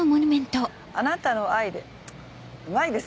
「あなたの愛［Ｉ］で」